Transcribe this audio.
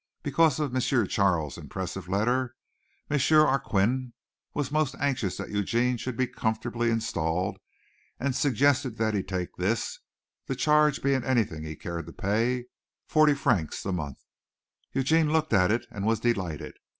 Because of M. Charles' impressive letter, M. Arkquin was most anxious that Eugene should be comfortably installed and suggested that he take this, the charge being anything he cared to pay forty francs the month. Eugene looked at it and was delighted.